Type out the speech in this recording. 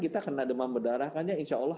kita kena demam berdarah kan ya insya allah